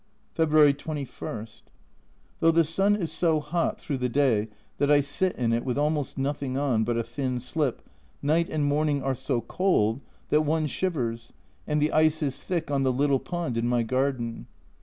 February 21. Though the sun is so hot through the day that I sit in it with almost nothing on but a thin slip, night and morning are so cold that one A Journal from Japan 105 shivers, and the ice is thick on the little pond in my garden.